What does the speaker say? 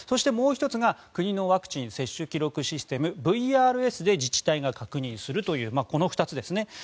もう１つが国のワクチン接種記録システム・ＶＲＳで自治体が確認するというこの２つですね。